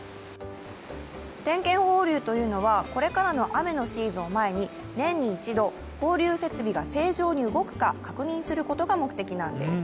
点検放流というのは、これからの雨のシーズンを前に年に一度、放流設備が正常に動くか確認することが目的なんです。